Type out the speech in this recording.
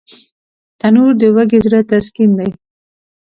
تنور د وږي زړه تسکین دی